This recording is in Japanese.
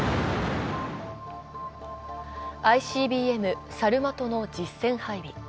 ＩＣＢＭサルマトの実戦配備。